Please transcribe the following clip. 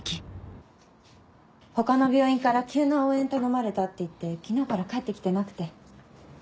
他の病院から急な応援頼まれたって言って昨日から帰って来てなくて。